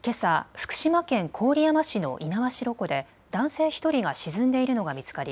福島県郡山市の猪苗代湖で男性１人が沈んでいるのが見つかり